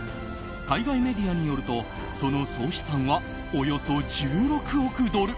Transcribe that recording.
海外メディアによるとその総資産は、およそ１６億ドル。